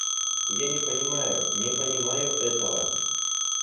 Я не понимаю, не понимаю этого!